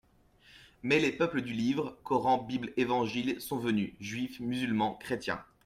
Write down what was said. Mais les peuples du Livre (Coran, Bible, Évangile) sont venus : juifs, musulmans, chrétiens.